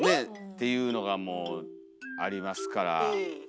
っていうのがもうありますから。